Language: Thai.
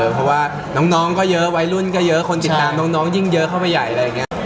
เพราะว่าน้องก็เยอะวัยรุ่นก็เยอะคนติดตามน้องยิ่งเยอะเข้าไปใหญ่อะไรอย่างนี้